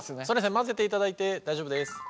混ぜていただいて大丈夫です。